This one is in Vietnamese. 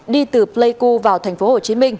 đi từ pleiku vào tp hcm